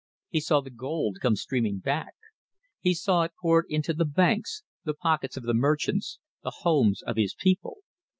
He saw the gold come streaming back. He saw it poured into the banks, the pockets of the merchants, the homes of his people.